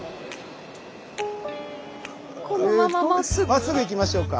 まっすぐ行きましょうか。